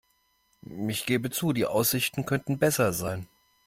Ich gebe zu, die Aussichten könnten besser sein.